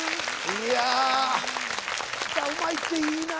いや歌うまいっていいな。